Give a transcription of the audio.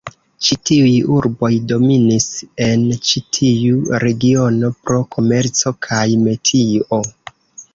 Ĉi tiuj urboj dominis en ĉi tiu regiono pro komerco kaj metio.